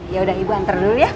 yaudah ibu antar dulu ya